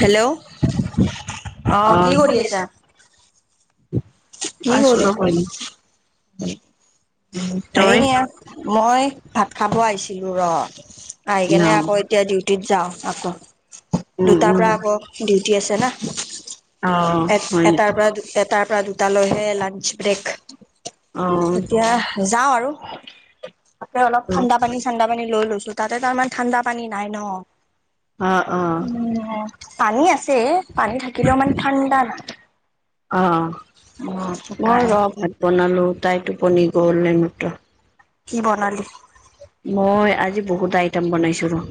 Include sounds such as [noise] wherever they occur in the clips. Hello অহ, অ কি কৰি আছা? কি আছো কৰি ৰব এনে [unintelligible] তই এইয়া মই ভাত খাব আহিছিলোঁ ৰ' আহি ন কেনে আকৌ এতিয়া ডিউটিত যাওঁ আকৌ, উম দুটাৰ উম পৰা আকৌ ডিউটি আছে না। অ হয় এ-এটাৰ নেকি পৰা দু এটাৰ পৰা দু দুটালৈহে লাঞ্চ ব্ৰেক অ এতিয়া যাওঁ আৰু। এতে অলপ ঠাণ্ডাপানী-চাণ্ডাপানী লৈ লৈছোঁ তাতে তাৰমানে ঠাণ্ডা পানী নাই ন'। অ অ উম, পানী আছে, পানী থাকিলেও মানে ঠাণ্ডা নাই। অহ, উম মোৰ সেইকাৰণে ৰ ভাত বনালোঁ তাই টোপনি গ'ল এই মাত্ৰ। কি বনালি? মই আজি বহুত আইটেম বনাইছোঁ ৰ'।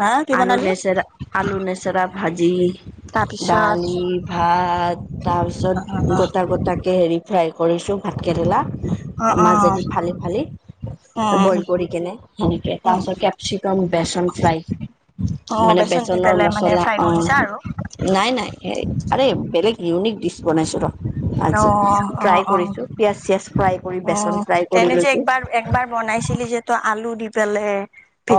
হা কি আলু বনালি নেচেৰা, আলু নেচেৰা ভাজি, তাৰপিছত দালি, ভাত। তাৰপিছত গোটা-গোটাকে হেৰি ফ্ৰাই কৰিছোঁ ভাতকেৰেলা। অ অ অ মাজেদি ফালি-ফালি। উম ব্ৰইল কৰি কেনে সেনেকে উম তাৰপিছত কেপচিকাম বেচন ফ্ৰাই। অ মানে বেচন দি বেচনৰ পেলাই মানে মচলা ফ্ৰাই অহ। কৰিছা আৰু নাই, নাই। আৰে বেলেগ ইউনিক ডিছ বনাইছোঁ ৰ'। অ আজি অ ট্ৰাই অ কৰিছোঁ, পিয়াজ-চিয়াজ ফ্ৰাই কৰি অ বেচন ফ্ৰাই কৰি এনে যে লৈছোঁ। একবাৰ একবাৰ বনাইছিলি যে তই আলু দি পেলে।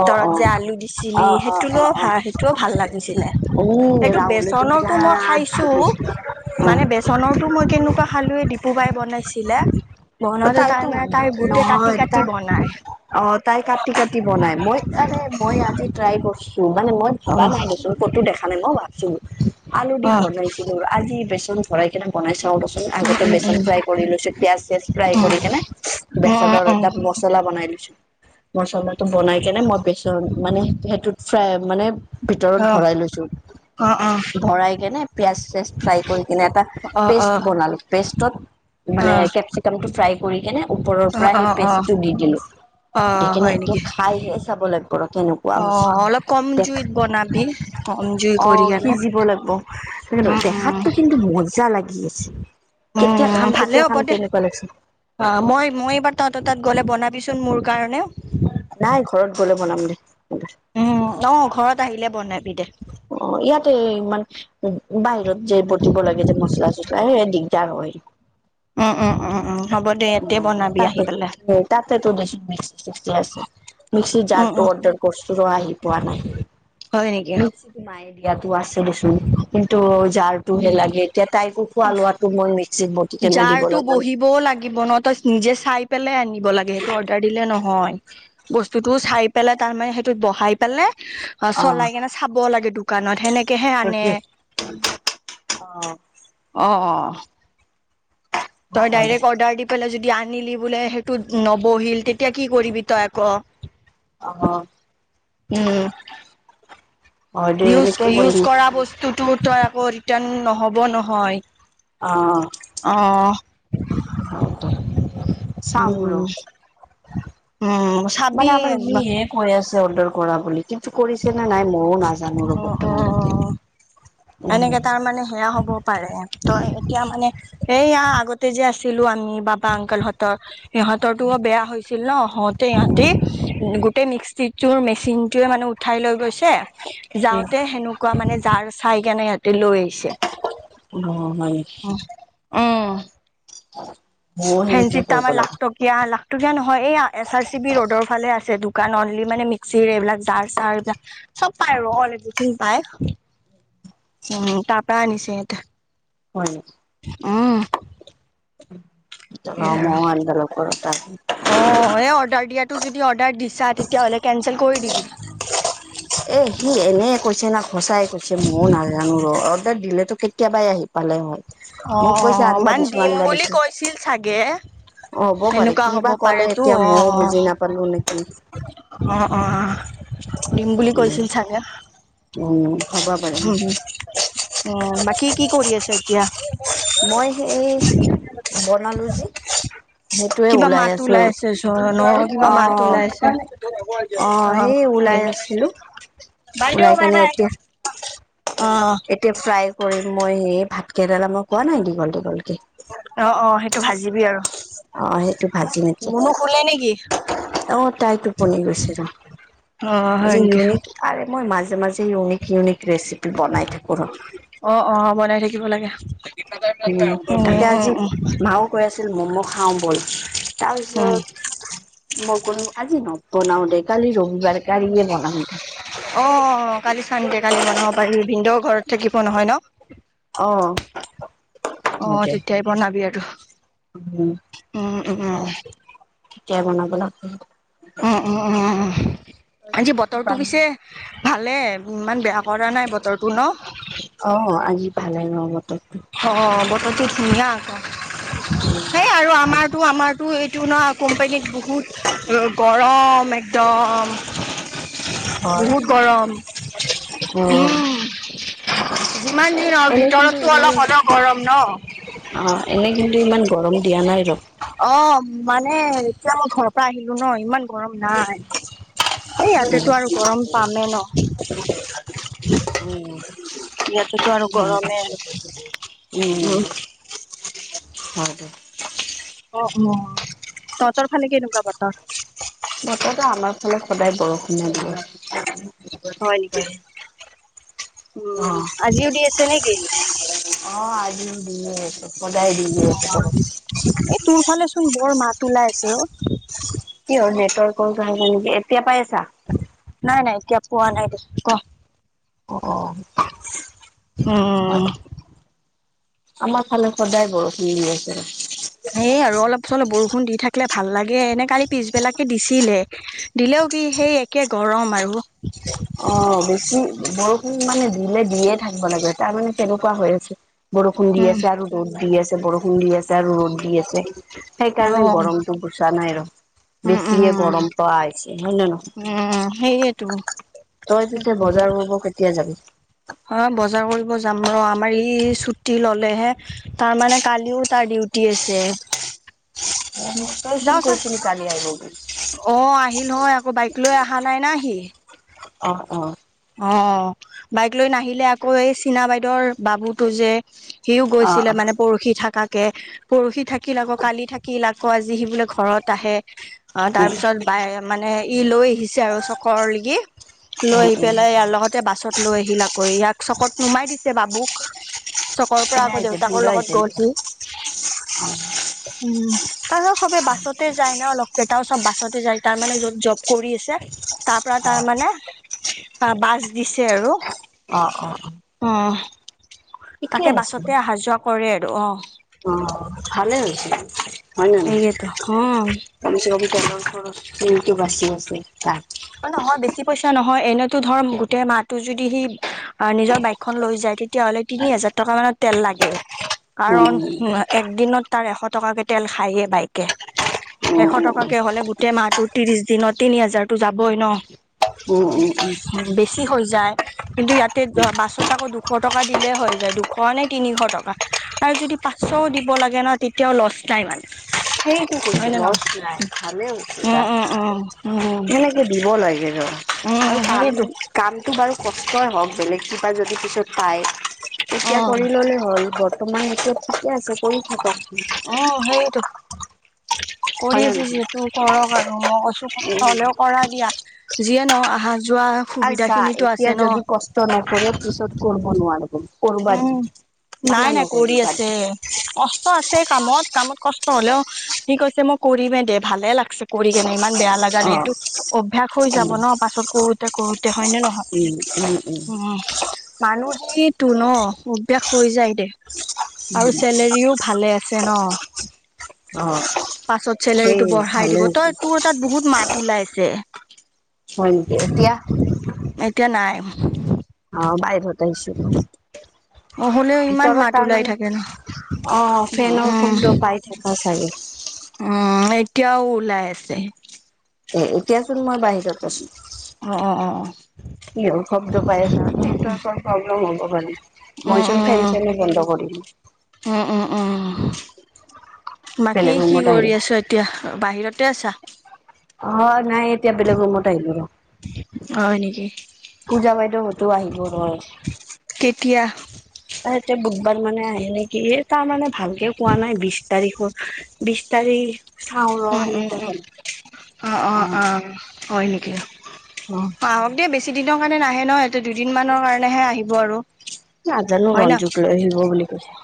অ অ যে আলু অ দিছিলি অ সেইটোৰ অ অ ভা সেইটোও ভাল লাগিছিলে। উম এইটো ৰাহুলেতো বেচনতো মই বিৰাট ভাল খাইছোঁ, পাইছিলো মানে বেচন বেচনৰটো মই কেনেকুৱা খালে ডিপু বাই বনাইছিলে। বনাওঁতে তাই তাইতো মানে তাই গোটেই কাটি নহয়, কাটি তাই বনাই অহ, তাই কাটি-কাটি বনাই মই আৰে মই আজি ট্ৰাই কৰছোঁ মানে মই অ ভাবা নাই দেচোন, ক'তো দেখা নাই মই ভাবছো। আলু দি অ বনাইছিলো, আজি বেচন ভৰাই কিনে বনাই ছাওঁ ৰ আগতে উম বেচন উম ফ্ৰাই কৰি লৈছো, পিয়াজ চিয়াজ ফ্ৰাই কৰি কেনে উম বেচনৰ উম উম এটা মচলা বনাই দিছো, মচলাটো বনাই কেনে মই বেচন মানে সেইটোত ফ্ৰাই মানে ভিতৰত উম ভৰাই লৈছো, অ অ ভৰাই কেনে পিয়াজ চিয়াজ ফ্ৰাই কৰি কিনে এটা অ অ অ পেষ্ট বনালো, পেষ্টত মানে কে অ টো ফ্ৰাই কৰি কিনে, ওপৰৰ পৰা অ সেই অ অ পেষ্টটো দি দিলো। অ দি কিনে হয় এইটো নেকি খাইহে চাব লাগব ৰ' তেনেকুৱা অ হৈছি, অলপ কম দেখ জুইত বনাবি কম জুই কৰি অ', কেনে সিজিব লাগব, উম উম দেখাতটো কিন্তু মজা লাগি আছে। কেতিয়া উম, খাম ভালে কেতিয়া হ'ব খাম দে। তেনেকুৱা লাগিছে অ', মই, মই এইবাৰ তহঁতৰ তাত গ'লে বনাবিচোন মোৰ কাৰণে। নাই, ঘৰত গ'লে বনাম দে। উম, অ', ঘৰত আহিলে বনাবি দে। অ', ইয়াতে ইমান উ বাহিৰত যে বটিব লাগে যে, মচলা চছলা সেয়া দি দিগদাৰ হয়। উম, উম, উম, উম। হ'ব দে অ', ইয়াতে বনাবি তাতে আহি পেলাই তাতেতো দেখোন মিক্সি চিক্সি আছে, মিক্সিৰ উম জাৰটো উম অৰ্ডাৰ কৰছিলো আহি পোৱা নাই। হয় নেকি মাই দিয়াতো আছে দেচোন, কিন্তু যাৰ হে লাগে, এতিয়া তাইকো খোৱা লোৱাটো মই মিক্সিত ব জাৰতো বহিবও লাগিব নহ, তই নিজে চাই পেলাই আনিব লাগে সেইটো অৰ্ডাৰ দিলে ন হয়, বস্তুটো চাই পেলাই তাৰমানে সেইটোত বহাই পেলাই অ', চলাই কেনে চাব লাগে দোকানত, সেনেকেহে আনে। সেইটোৱে। অ অ', অ'। তই হয় দে ডাইৰেক্ট অৰ্ডাৰ দি পেলাই যদি আনিলি বোলে, সেইটো নবহিল তেতিয়া কি কৰিবি তই আকৌ। অ'। উম, হয় দে ইউজ এনেকেই কৰিম ইউজ কৰা বস্তুটো তই আকৌ ৰিটাৰ্ণ নহ'ব নহয়। অ'। অ', চাম ৰ উম, উম। মানে চাবি আমাৰ একবাৰ ইহে কৈ আছে, অৰ্ডাৰ কৰা বুলি কিন্তু কৰিছে নে নাই মই অ', অ', অ', উম এনেকে তাৰমানে সেয়া হ'ব পাৰে ত' এতিয়া মানে এইয়া আগতে যে আছিলো আমি বাবা অংকল হহঁত, সিহঁতৰতো বেয়া হৈছিল নহ হওতে ইহঁতে গোটেই মিক্সিটোৰ মেচিনটোয়ে মানে উঠাই লৈ গৈছে যাওঁতে সেনেক কোৱা মানে যাৰ চাই কেনে সিহঁতে লৈ আহিছে! অ', হয়। অ'। মইয়ো হেনেকে কৰবা লাগব। এয়া লাখতকীয়া নহয়, এইয়া এছ আৰ চি বি ৰ'ডৰ ফালে আছে তো। দোকান অনলি মানে, মিক্সিৰ এইবিলাক জাৰ চাৰ এইবিলাক চব পায় আৰু, অল এভিথিং পায়। উম, তাৰপা আনিছে। [unintelligible] হয়। উম। এই আৰু মও আনবা লাগিব ৰ' তা অ', এই অৰ্ডাৰ দিয়াটো যদি অৰ্ডাৰ দিছা, তেতিয়াহ'লে কেন্চেল কৰি দিবি। এ সি এনেই কৈছে না সঁচাই কৈছে ময়ো নাজানো ৰ? অৰ্ডাৰ দিলেতো কেতিয়াবাই আহিল পালে হয়, অ', মোক কৈছে অ', আনিবা মান দিছো, দিম আনিবা বুলি দিছো কৈছিল চাগে হ'ব পাৰে এনেকুৱা কি হ'ব বা কলে পাৰেতো এতিয়া ময়ও বুজি নাপালো নেকি। অঁ, অঁ, দিম বুলি উম কৈছিল চাগে! উম, হ'ব পাৰে! অঁ, বাকী কি কৰি আছা এতিয়া? মই সেই বনালোঁ যে? সেইটোৱে কিবা মাত আছো আৰু। ওলাই আছে, ন [unintelligible] কিবা অ মাত ওলাইছে। অ', সেই ওলাই আছিলো বাইদেও ওলাই কেনে এতিয়া [unintelligible] এতিয়া ফ্ৰাই কৰিম মই সেই ভাতকেইডাল, মই কোৱা নাই দীঘল দীঘলকে? অঁ, অঁ, সেইটো ভাজিবি আৰু। অঁ, সেইটো ভাজিম এতিয়া, মুনু শুলে নেকি? অঁ, তাই টোপনি গৈছে ৰ? অঁ, হয় আজি নেকি। ইউনিক আৰে মই মাজে মাজে, ইউনিক ইউনিক ৰেচিপি বনাই থাকোঁ ৰ। অঁ, অঁ বনাই থাকিব লাগে, উম, তাকে আজি উম। মাও কৈ আছিল, ম'ম' খাওঁ বল, উম। তাৰপিছত মই ক'লো আজি নবনাওঁ দে, কালি ৰবিবাৰ কালিলে বনাম দে। অঁ, কালি চানডে কালি বনাব পাৰিবি ভিনদেও ঘৰত থাকিব নহয় ন'? অঁ। অঁ, তেতিয়াই বনাবি আৰু। উম। উম, উম। তেতিয়াই বনাব লাগিব। উম, উম, উম আজি বতৰটো পিছে ভালে, ইমান বেয়া কৰা নাই বতৰটো ন,। অঁ, আজি ভালে ন' বতৰ ন'? অঁ, বতৰটো ধুনীয়া আকৌ, সেই আৰু আমাৰ- তো আমাৰটো এইটো নহ, কোম্পানীত বহুত গৰম একদম হয় বহুত গৰম। অ উম, যিমান দিন আৰু এনে ভিতৰতটো অলপ হলেও গৰম ন? অঁ, এনে কিন্তু, ইমান গৰম দিয়া নাই। অঁ, মানে এতিয়া মই ঘৰৰ পৰা আহিলো ন' ইমান গৰম নাই, এই উম ইয়াতেটো আৰু গৰম পামেই ন'। উম। ইয়াতেতো আৰু গৰমেই আৰু উম, উম হয় দে। অঁ, অঁ, তহঁতৰ ফালে কেনেকুৱা বতৰ? বতৰটো আমাৰ ফালে সদায় বৰষুণে দিয়ে। হয় নেকি? উম, আজিও দি আছে নেকি? অ', আজিও দিয়ে আছে, সদায় দিয়ে আছে। এ তোৰ ফালে চোন, বৰ মাত ওলাই আছে অ'। কিয়? নেটৱৰ্কৰ কাৰণে নেকি, এতিয়া, পাই আছা? নাই, নাই, এতিয়া পোৱা নাই দে, ক'। অ'। হয়, উম। আমাৰ ফালে সদায় বৰষুণ দি আছে। সেই আৰু অলপ চলপ বৰষুণ দি থাকলে ভাল লাগে। এনে কালি পিছবিলাকে দিছিলে, দিলেও কি সেই এক কে গৰম আৰু। অ', বেছি, বৰষুণ মানে দিলে দিয়ে থাকিব লাগে, তাৰমানে তেনেকুৱা হৈ আছে। বৰষুণ দি উম আছে আৰু ৰ'দ দি আছে। বৰষুণ দি আছে আৰু ৰ'দ দি আছে। অ সেইকাৰণে গৰমতটো গুছা নাই আৰু। উম উম বেছিয়ে গৰম পাই আহিছে, হয় নে নহয়? উম সেইয়েতো তই কি পিছে, কবি আৰু বজাৰ কৰিব কেতিয়া যাবি? অ', বজাৰ কৰিব যাম ৰ', আমাৰ ই ছুটি ল'লেহে, তাৰমানে কালিও তাৰ ডিউটি টি আছে। অ' তইচোন যাও চা কৈছিলি কালি আহিব বুলি। অ' আহিল হয় আকৌ বাইক লৈ অহা নাই না সি। অ', অ'। অ' বাইক লৈ নাহিলে আকৌ এই চীনা বাইদেউৰ বাবুটো যে সিও অ', গৈছিলে অ', মানে পৰহি থাকাকে। পৰহি থাকিল, আকৌ কালি থাকিল, আকৌ আজি সি বোলে ঘৰত আহে অ' উম, তাৰপিছত বাই মানে ই লৈ আহিছে আৰু চকৰলৈকি লৈ উম, বা উম। ইয়াৰ লগতে বাছত লৈ আহিল আকৌ ইয়াক চকত নমাই দিছে বাবুক। চকৰপৰা ভিন্ন আকৌ আহিছে দেউতাকৰ ভিন্ন লগত আহিছে নেকি? গলহি, উম। তাৰপাছত চবেই বাছতে যায় ন' অ' লগ কেইটাও চব বাছতে যায়, তাৰমানে য'ত জব কৰি আছে তাৰপৰা তাৰমানে বাছ দিছে আৰু। অ', অ', অ'। অ' ঠিকে তাকে আছে। বাছতে অহা যোৱা কৰে আৰু অ'। অ' ভালেই হৈছে। হয়নে এইকেইটো নহয়? উম কমচেকম তেলৰ খৰচটো বাছি আছে তাত। নহয় বেছি পইচা নহয়, এনেতো ধৰ গোটেই মাহটো যদি সি নিজৰ বাইক খন লৈ যায় তেতিয়াহ'লে তিনি হাজাৰ টকা মানত তেল লাগে কাৰণ উম, এক দিনত তাৰ এশ টকাকে তেল খায়ে বাইকে। উম, উম, এশ টকাকে হ'লে গোটেই মাহটো ত্ৰিশ দিনত তিনি হাজাৰতো যাবই ন'? উম, উম, উম। বেছি হৈ যায়। কিন্তু ইয়াতে বাছত আকৌ দুশ টকা দিলে হৈ যায়, দুশ নে তিনিশ টকা। আৰু যদি পাঁচশও দিব লাগে না তেতিয়াও লছ নাই মানে। সেইটো হয় কৈছোঁ মই নে নহয় লছ নাই, ভালে হৈছে উম উম উম তাৰ। দিব লাগে ৰ উম উম আৰু কাম সেইটো কামটো বাৰু কষ্টই হওঁক, বেলেগ কিবা যদি পিছত পায়। তেতিয়া উম কৰি ল'লে হ'ল, বৰ্তমান এইটো ঠিকে আছে, কৰি থাকক। অ' সেইটো। কৰি হয় নে আছে নহয়? যিহেতু কৰক আৰু, মই কৈছোঁ কষ্ট উম। হ'লেও কৰা দিয়া। যিয়ে নহক আহা যোৱা সুবিধা আচ্ছা, খিনিতো এতিয়া আছে ন যদি কষ্ট নকৰে পিছত কৰিব নোৱাৰিব। কৰবা দি উম, মানা নাই নাই কৰি নকৰিবি বাদ আছে। দি কষ্ট আছে কামত, কামত কষ্ট হলেও সি কৈছে মই কৰিমে দে ভালে লাগছে। কৰি কেনে ইমান বেয়া লাগা উম নাইতো। অভ্যাস হৈ যাব উম ন' পাছত কৰোঁতে কৰোঁতে হয় নে নহয়? উম, উম। মানুহেইটো ন' অভ্যাস হৈ যায় দে আৰু চেলাৰিও ভালে আছে ন', অ পাছত সেই চেলোৰীটো বঢ়াই ভালে দিব, হৈছে তই তোৰ তাত বহুত মাত ওলাইছে। হয় নেকি, এতিয়া? এতিয়া নাই। অ' বাহিৰত আহিছোঁ, হ'লেও ইমান ভিতৰত মাত ওলাই তাৰমানে থাকে ন অ' ফেনৰ উম শব্দ পাই থাকে চাগে। উম, এতিয়াও ওলাই আছে। এ, এতিয়াচোন মই বাহিৰত আছোঁ। অ', অ', অ', অ'। কি হ'ল শব্দ পায়ে আছে, নেটৱৰ্কৰ প্ৰব্লেম হ'ব পাৰে। উ, মইচোন উ, ফেন চেনো বন্ধ কৰিলো উ, উ, উ, উ। বাকী বেলেগ কি ৰুমত আহিলো কৰি আছ এতিয়া, বাহিৰতে আছা? অ' নাই এতিয়া বেলেগ ৰুমত আহিলোঁ। হয় নেকি পূজা বাইদেওহতো আহিব ৰহ। কেতিয়া? তাই এতিয়া বুধবাৰ মানে আহি নেকি, এই তাৰমানে ভালকে কোৱা নাই বিছ তাৰিখৰ বিছ তাৰিখ চাওঁ ৰ উম, উম, সেনেকে উম, কলে অ', অ', অ'। হয় নেকি? অ' আহক দে বেছি বেচিদিনৰ কাৰণে নাহে নহয়, সিহঁতে দুদিন মানৰ কাৰণেহে আহিব আৰু। নাজানো হয় ন? ৰঞ্জুক লৈ আহিব বুলি কৈছে।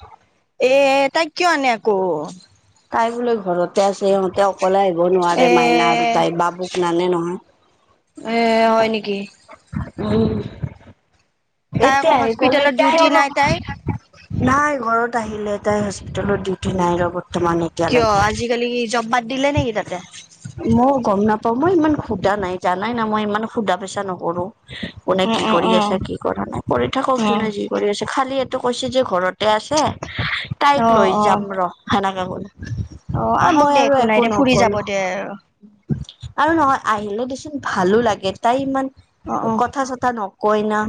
এ, তাইক কিয় আনে আকৌ? তাই বোলে ঘৰতে আছে, সিহঁতে অকলে আহিব এ নোৱাৰে, মাইনা আৰু তাই বাবুক নানে নহয়। এ, হয় নেকি? উ, তাই আকৌ এতিয়া আহি গলে হস্পিতেলত তাই ডিউটি অলপ নাই তাইৰ নাই ঘৰত আহিলে তাই হস্পিতেলত ডিউটি নাই, লগত বৰ্তমানে কিয় আজিকালি জব বাদ দিলে নেকি তাতে? মই গম নাপাও, মই ইমান সুধা নাই, জানাই না মই ইমান সুধা পেচা নকৰো। কোনে উম, কি উম, কৰি উম, আছে কি কৰা নাই, কৰি থাকক উম, যোনে যি কৰি আছে, খালি এইটো কৈছে যে ঘৰতে আছে তাইক লৈ অ', যাম অ', ৰ'। হেনেকে ক'লে, অ', এই আহক মই দে আৰু নাই একো দে ফুৰি যাব নকলো। দে ৰ'। আৰু নহয় আহিলে দেচোন ভালো লাগে, তাই ইমান অ', অ', কথা চ তা নকয় না।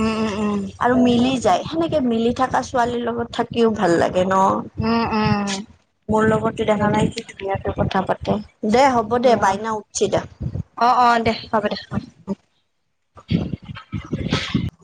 উম, উম, উম। আৰু মিলি যায়, সেনেকে মিলি থকা ছোৱালীৰ লগত থাকিও ভাল লাগে উম ন'? উম মোৰ লগতো হ'ব দেখা দে নাই ধুনিয়াকে কথা পাতে, দে হ'ব অ দে বাইনা উঠছি দে। অ', অ' দে, হ'ব দে অ'। [inaudible]